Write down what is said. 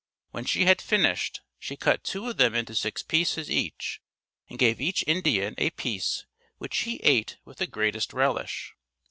When she had finished, she cut two of them into six pieces each and gave each Indian a piece which he ate with the greatest relish.